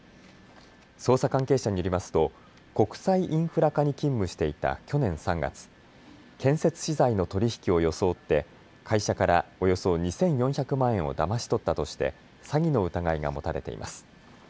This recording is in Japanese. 捜査関係者によりますと国際インフラ課に勤務していた去年３月、建設資材の取り引きを装って会社からおよそ２４００万円をだまし取ったとして詐欺の疑いが持たれています。